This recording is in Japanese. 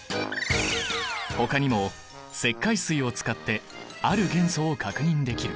ほかにも石灰水を使ってある元素を確認できる。